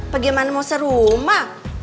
bagaimana mau serumah